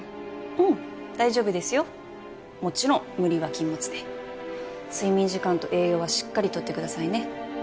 うん大丈夫ですよもちろん無理は禁物で睡眠時間と栄養はしっかりとってくださいね